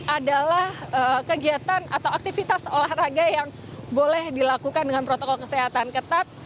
adalah kegiatan atau aktivitas olahraga yang boleh dilakukan dengan protokol kesehatan ketat